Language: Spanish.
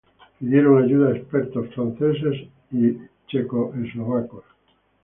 Pidieron ayuda a expertos franceses y checoslovacos.